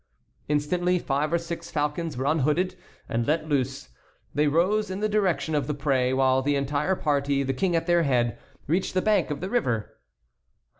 Instantly five or six falcons were unhooded and let loose. They rose in the direction of the prey, while the entire party, the King at their head, reached the bank of the river.